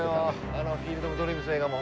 あの『フィールド・オブ・ドリームス』の映画も。